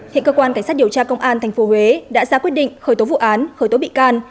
hiện cơ quan cảnh sát điều tra công an tp huế đã ra quyết định khởi tố vụ án khởi tố bị can